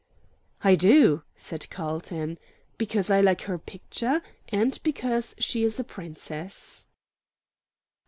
"I do," said Carlton. "Because I like her picture, and because she is a Princess."